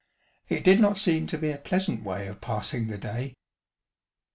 It did not seem to be a pleasant way of passing the day.